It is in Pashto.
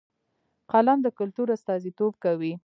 فلم د کلتور استازیتوب کوي